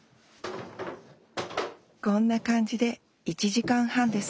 こんな感じで１時間半です。